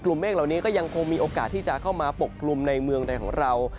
เมฆเหล่านี้ก็ยังคงมีโอกาสที่จะเข้ามาปกกลุ่มในเมืองใดของเรา